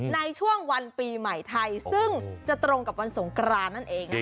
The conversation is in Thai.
ในช่วงวันปีใหม่ไทยซึ่งจะตรงกับวันสงกรานนั่นเองนะ